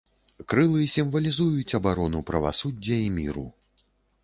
Крылы сімвалізуюць абарону правасуддзя і міру.